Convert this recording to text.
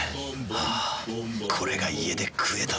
あぁこれが家で食えたなら。